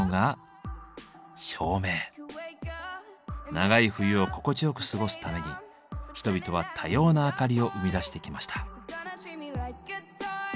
長い冬を心地よく過ごすために人々は多様な明かりを生み出してきました。